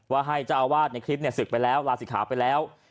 ให้เจ้าอาวาสในคลิปศึกไปแล้วลาศิกขาไปแล้ว